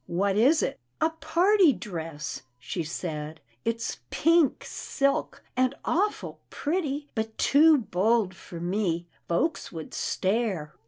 "What is it?" " A party dress," she said, " it's pink silk, and awful pretty, but too bold for me. Folks would stare."